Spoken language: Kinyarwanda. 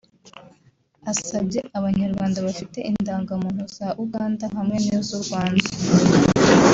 asabye Abanyarwanda bafite indangamuntu za Uganda hamwe n’iz’u Rwanda